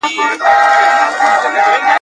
هسي نه چي څوک دي هی کړي په ګورم کي د غوایانو ..